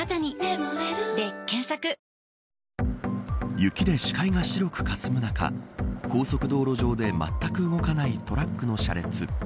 雪で視界が白くかすむ中高速道路上で、まったく動かないトラックの車列。